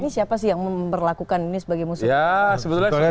ini siapa sih yang memperlakukan ini sebagai musuh